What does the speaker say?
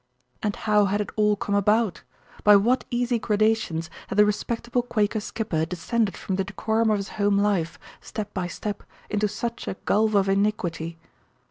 And how had it all come about? By what easy gradations had the respectable Quaker skipper descended from the decorum of his home life, step by step, into such a gulf of iniquity?